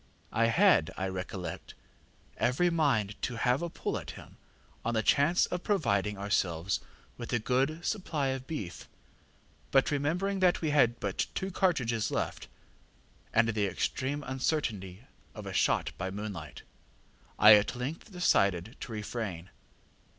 I had, I recollect, every mind to have a pull at him on the chance of providing ourselves with a good supply of beef; but remembering that we had but two cartridges left, and the extreme uncertainty of a shot by moonlight, I at length decided to refrain.